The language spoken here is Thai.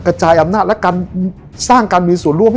กระจายอำนาจและการสร้างการมีส่วนร่วม